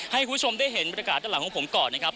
ให้คุณผู้ชมได้เห็นบรรยากาศด้านหลังของผมก่อนนะครับ